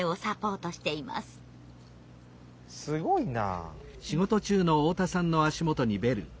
すごいな。